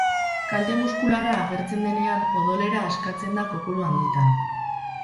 Kalte muskularra agertzen denean odolera askatzen da kopuru handitan.